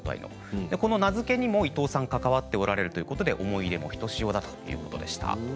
この名付けにも伊藤さんが関わっておられるということで思いもひとしおということでした。